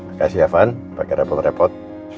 makasih ya van pake repot repot